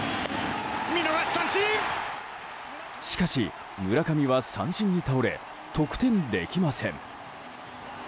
しかし、村上は三振に倒れ得点できません。